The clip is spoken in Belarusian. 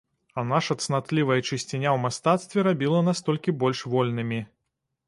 А наша цнатлівая чысціня ў мастацтве рабіла нас толькі больш вольнымі.